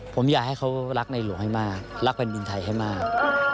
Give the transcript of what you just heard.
ผมอยากให้เขารักในหลวงให้มากรักแผ่นดินไทยให้มาก